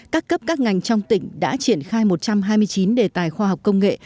các cấp các ngành trong tỉnh đã triển khai một trăm hai mươi chín đề tài khoa học công nghệ